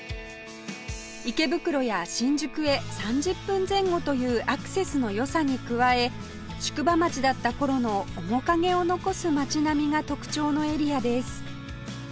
池袋や新宿へ３０分前後というアクセスの良さに加え宿場町だった頃の面影を残す街並みが特徴のエリアです